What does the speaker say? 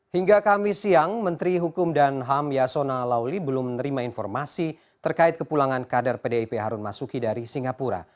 hingga kami siang menteri hukum dan ham yasona lauli belum menerima informasi terkait kepulangan kader pdip harun masuki dari singapura